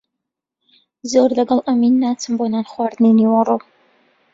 زۆر لەگەڵ ئەمین ناچم بۆ نانخواردنی نیوەڕۆ.